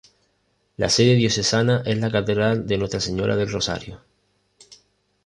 La sede diocesana es la Catedral de Nuestra Señora del Rosario.